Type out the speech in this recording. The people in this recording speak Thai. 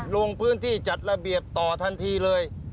ลงพื้นที่จัดระเบียบต่อทันทีเลย